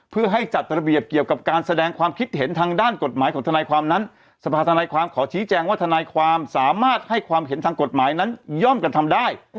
เพื่อให้จัดระเบียบเกี่ยวกับการแสดงความคิดเห็นทางด้านกฎหมายของทนายความนั้นสภาธนายความขอชี้แจงว่าทนายความสามารถให้ความเห็นทางกฎหมายนั้นย่อมกันทำได้